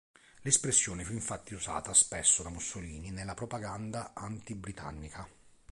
L'espressione fu infatti usata spesso da Mussolini nella propaganda anti-britannica.